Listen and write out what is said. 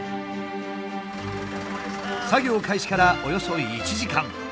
作業開始からおよそ１時間。